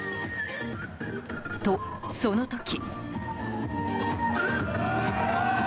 と、その時。